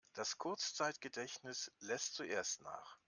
Das Kurzzeitgedächtnis lässt zuerst nach.